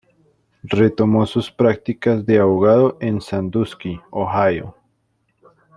Retomó sus prácticas de abogado en Sandusky, Ohio.